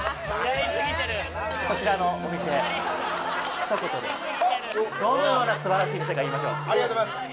こちらのお店ひと言でどのようなすばらしい店か言いましょうありがとうございます